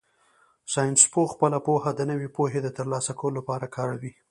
ساینسپوه خپله پوهه د نوې پوهې د ترلاسه کولو لپاره کاروي.